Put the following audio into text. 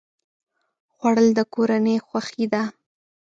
خوړل د کورنۍ خوښي ده